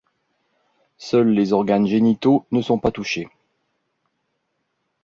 Seuls les organes génitaux ne sont pas touchés.